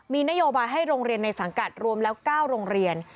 มีนโยบายให้โรงเรียนในสังกัดรวมแล้ว๙โรงเรียน